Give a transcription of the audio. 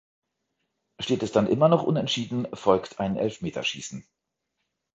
Steht es dann immer noch unentschieden, folgt ein Elfmeterschießen.